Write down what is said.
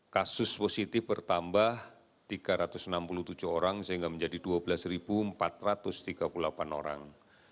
kasus positif bertambah tiga ratus enam puluh tujuh orang sehingga menjadi dua belas empat ratus tiga puluh delapan orang